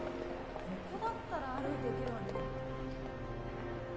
ここだったら歩いて行けるわね